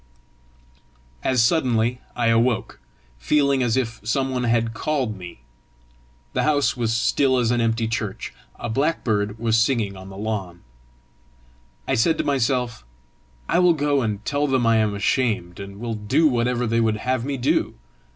As suddenly I woke, feeling as if some one had called me. The house was still as an empty church. A blackbird was singing on the lawn. I said to myself, "I will go and tell them I am ashamed, and will do whatever they would have me do!"